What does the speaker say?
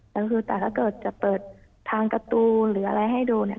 แต่คือแต่ถ้าเกิดจะเปิดทางประตูหรืออะไรให้ดูเนี่ย